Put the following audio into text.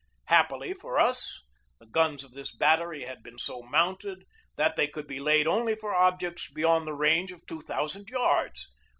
Hap pily for us, the guns of this battery had been so mounted that they could be laid only for objects beyond the range of two thousand yards.